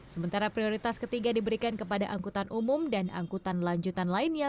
sementara prioritas ketiga diberikan kepada angkutan umum dan angkutan lanjutan lainnya